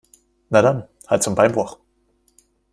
Na dann, Hals- und Beinbruch!